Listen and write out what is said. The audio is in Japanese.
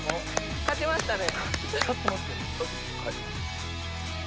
勝ちましたね。